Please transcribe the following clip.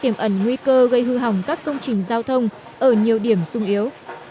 có nguy cơ gây hư hỏng các công trình giao thông ở nhiều điểm sung yếu